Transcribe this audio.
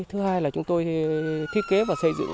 thứ hai là chúng tôi thiết kế và xây dựng